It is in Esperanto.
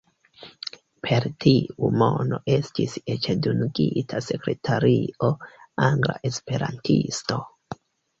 Per tiu mono estis eĉ dungita sekretario, angla esperantisto.